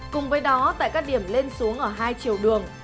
cùng với đó tại các điểm lên xuống ở hai chiều đường